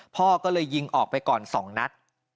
พ่อก็เลยยิงออกไปก่อน๒นัด